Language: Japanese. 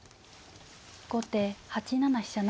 後手８七飛車成。